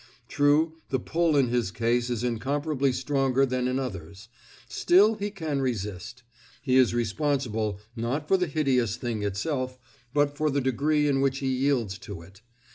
True, the pull in his case is incomparably stronger than in others; still he can resist. He is responsible, not for the hideous thing itself, but for the degree in which he yields to it.